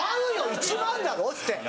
１万だろ」っつって。